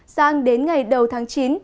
sáng đến ngày đầu tháng chín